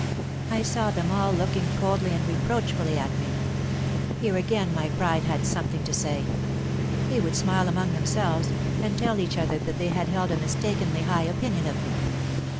I saw them all looking coldly and reproachfully at me. Here again my pride had something to say. They would smile among themselves, and tell each other that they had held a mistakenly high opinion of me.